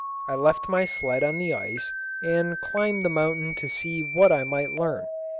I left my sled on the ice and climbed the mountain to see what I might learn.